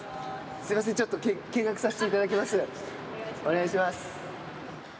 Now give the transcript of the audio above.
すいません、ちょっと見学させてお願いします。